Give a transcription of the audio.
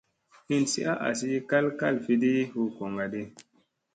Hinsi a asi kal kalfiɗi hu goŋga di.